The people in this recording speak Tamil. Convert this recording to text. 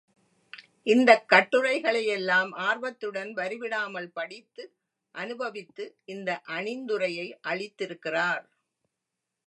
இந்தக் கட்டுரைகளையெல்லாம் ஆர்வத்துடன் வரிவிடாமல் படித்து, அனுபவித்து இந்த அணிந்துரையை அளித்திருக்கிறார்.